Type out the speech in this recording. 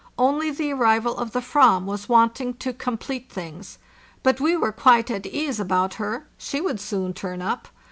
Only the arrival of the /vam was wanting to complete things; but we were quite at ease about her; she would soon turn up.